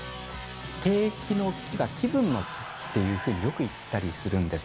景気の気は気分の気というふうによくいったりするんです。